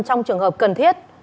trong trường hợp cần thiết